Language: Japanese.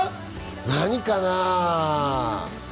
何かな？